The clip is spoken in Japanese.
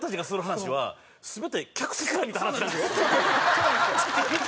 そうなんですよ。